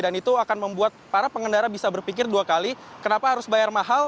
dan itu akan membuat para pengendara bisa berpikir dua kali kenapa harus bayar mahal